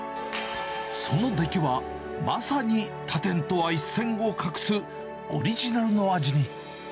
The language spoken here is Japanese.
その出来は、まさに他店とは一線を画すオリジナルの味に。